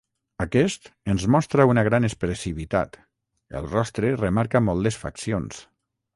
Aquest ens mostra una gran expressivitat, el rostre remarca molt les faccions.